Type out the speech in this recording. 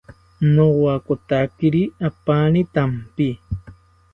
Nowakotakiri apani thampi